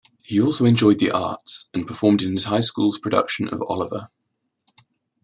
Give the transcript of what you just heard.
He also enjoyed the arts, and performed in his high school's production of "Oliver!".